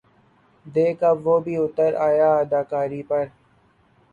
دیکھ اب وہ بھی اُتر آیا اداکاری پر